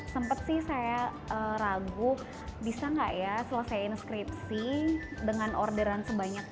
sempat sih saya ragu bisa nggak ya selesaiin skripsi dengan orderan sebanyak